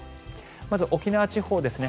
まず沖縄地方ですね